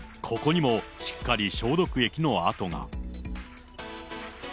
ここにもしっかり消毒液の跡が。